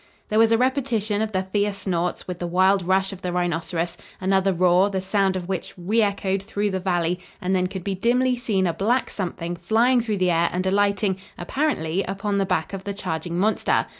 There was a repetition of the fierce snorts, with the wild rush of the rhinoceros, another roar, the sound of which reechoed through the valley, and then could be dimly seen a black something flying through the air and alighting, apparently, upon the back of the charging monster.